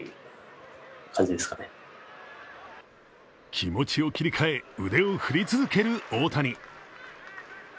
気持ちを切り替え、腕を振り続ける大谷。